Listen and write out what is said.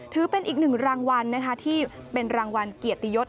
ถือเป็นอีกหนึ่งรางวัลนะคะที่เป็นรางวัลเกียรติยศ